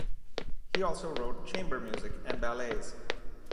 He also wrote chamber music and ballets.